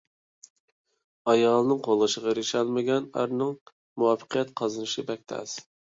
ئايالىنىڭ قوللىشىغا ئېرىشەلمىگەن ئەرنىڭ مۇۋەپپەقىيەت قازىنىشى بەك تەس.